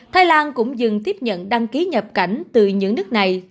thái lan cũng dừng tiếp nhận đăng ký nhập cảnh từ những nước này